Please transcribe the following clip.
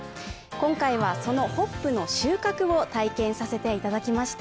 今回はそのホップの収穫を体験させていただきました。